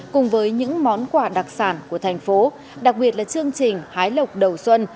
cùng với những món quà đặc sản của thành phố đặc biệt là chương trình hái lộc đầu xuân